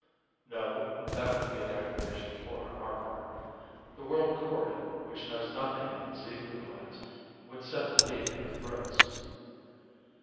"No, that would be declaration of war on our part. The World Court, which knows nothing of the Ziegler plans, would set the League at our throats."